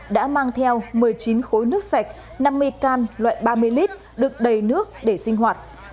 đã mang theo một mươi chín khối nước sạch năm mươi can loại ba mươi lít được đầy nước để sinh hoạt